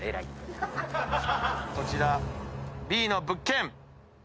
こちらＢの物件。